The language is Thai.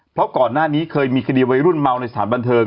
เพราะก่อนหน้านี้เคยมีคดีวัยรุ่นเมาในสถานบันเทิง